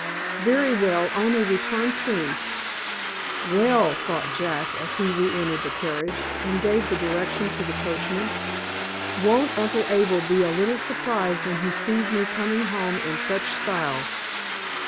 "Very well; only return soon." "Well!" thought Jack, as he re entered the carriage, and gave the direction to the coachman; "won't Uncle Abel be a little surprised when he sees me coming home in such style!"